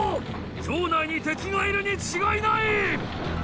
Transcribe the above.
城内に敵がいるに違いない！